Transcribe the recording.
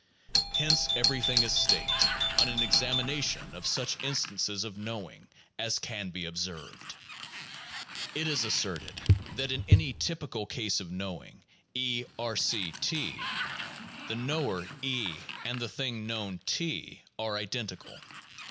Hence everything is staked on an examination of such instances of knowing as can be observed. It is asserted that in any typical case of knowing (E)R C (T), the knower (E) and the thing known (T) are identical.